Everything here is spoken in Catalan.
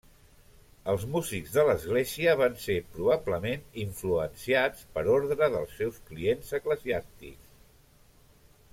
Els músics de l'Església van ser probablement influenciats per ordre dels seus clients eclesiàstics.